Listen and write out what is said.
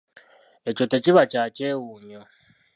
Ekyo tekiba kya kyewuunyo?